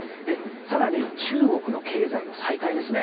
更に中国の経済の再開ですね。